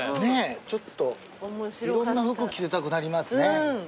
ちょっといろんな服着せたくなりますね。